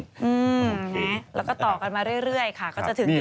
โอเคแล้วก็ต่อกันมาเรื่อยค่ะก็จะถึงที่ภูมิเทศไปนี่